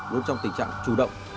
luôn trong tình trạng chủ động